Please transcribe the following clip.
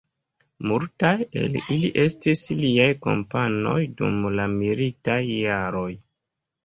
Multaj el ili estis liaj kompanoj dum la militaj jaroj.